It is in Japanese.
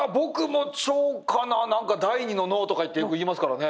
何か第２の脳とかってよくいいますからね。